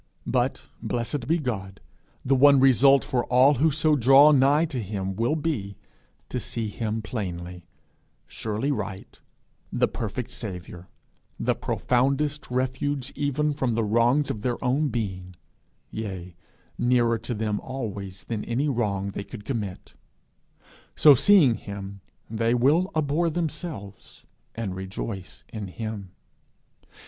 But, blessed be God, the one result for all who so draw nigh to him will be to see him plainly, surely right, the perfect Saviour, the profoundest refuge even from the wrongs of their own being, yea, nearer to them always than any wrong they could commit; so seeing him, they will abhor themselves, and rejoice in him.